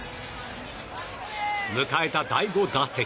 迎えた第５打席。